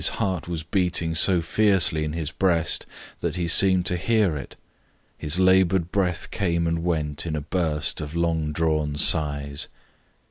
His heart was beating so fiercely in his breast that he seemed to hear it, his laboured breath came and went in a burst of long drawn sighs.